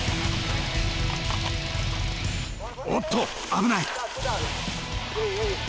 おっと危ない！